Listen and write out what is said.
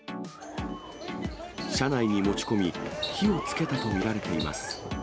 車内に持ち込み、火をつけたと見られています。